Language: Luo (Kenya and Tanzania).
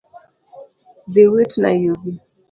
Dhi witna yugi